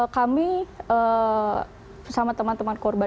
kami bersama teman teman korban